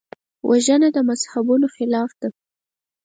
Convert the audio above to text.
وژنه د مذهبونو خلاف ده